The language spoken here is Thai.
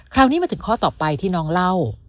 คราวนี้มาถึงข้อต่อไปที่น้องเล่า